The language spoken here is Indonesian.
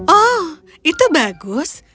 oh itu bagus